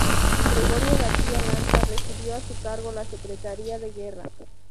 Gregorio García Lanza recibió a su cargo la secretaría de guerra.